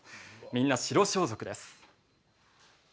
みんな白装束です。